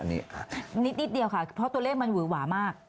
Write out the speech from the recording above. นิดเดียวค่ะตัวเลขมันหวยว่ามาก